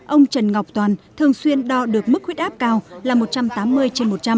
ông trần ngọc toàn thường xuyên đo được mức huyết áp cao là một trăm tám mươi trên một trăm linh